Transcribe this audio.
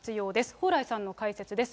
蓬莱さんの解説です。